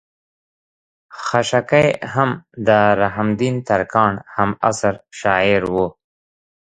خشاکے هم د رحم الدين ترکاڼ هم عصر شاعر وو